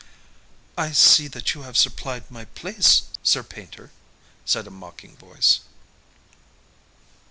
"I see that you have supplied my place, Sir Painter," said a mocking voice.